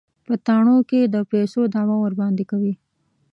په تاڼو کې د پيسو دعوه ورباندې کوي.